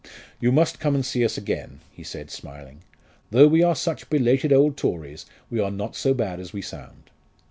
"You must come and see us again," he said smiling; "though we are such belated old Tories, we are not so bad as we sound."